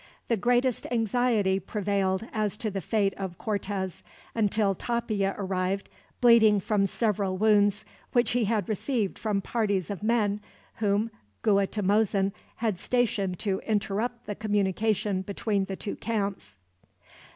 The greatest anxiety prevailed as to the fate of Cortez, until Tapia arrived, bleeding from several wounds, which he had received from parties of men whom Guatimozin had stationed to interrupt the communication between the two camps.